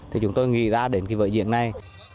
thì chúng tôi nghĩ ra đến cái vợi diện này